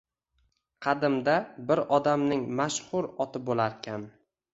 Qadimda bir odamning mashhur oti bo‘larkan